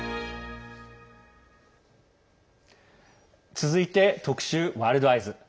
続いて特集「ワールドＥＹＥＳ」。